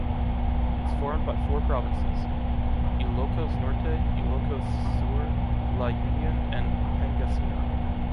It’s formed by four provinces: Ilocos Norte, Ilocos Sur, La Union and Pangasinan.